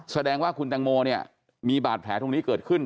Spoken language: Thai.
แสดงว่าคุณตังโมมีปากแผลตรงนี้เกิดขึ้น